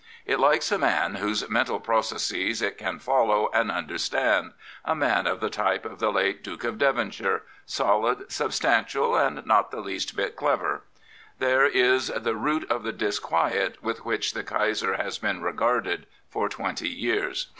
It likes a man whose mental processes it can follow and under stand, a man of the type of the late Duke of Devon shire, solid, substantial, and not the least bit clever. There is the root of the disquiet with which the Kaiser has been regarded for twenty years.